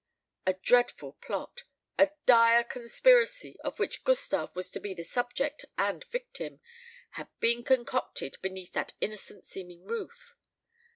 A dreadful plot, a dire conspiracy, of which Gustave was to be the subject and victim, had been concocted beneath that innocent seeming roof.